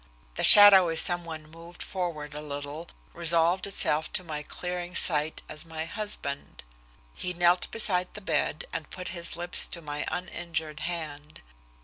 The shadowy some one moved forward a little, resolved itself to my clearing sight as my husband. He knelt beside the bed and put his lips to my uninjured hand.